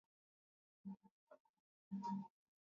la Wamongolia uhamiaji wa makabila ya Kituruki kwenda Anatolia ulizidi